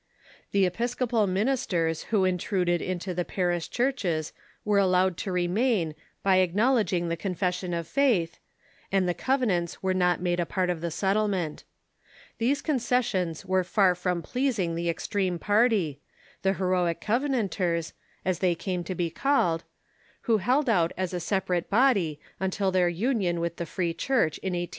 The episcopal ministers who intruded into the parish churches "Were allowed to remain by acknowledging the Confession of Faith, and the Covenants were not made a part of the settle ment. Tliese concessions were far from pleasing the extreme THE EliSICrNK Sf'MIS.M AND 'IIIi: irAI.KANK I:^:VIV^\^ P,17 party — tlic heroic Covenanters, as they came to be called — who lieM out as a separate hody till their union with the Free Clnucii in IhTO.